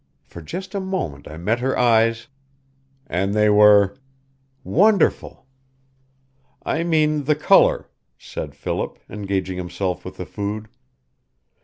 For just a moment I met her eyes " "And they were " "Wonderful!" "I mean the color," said Philip, engaging himself with the food.